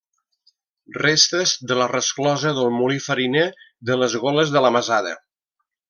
Restes de la resclosa del molí fariner de les Goles de la Masada.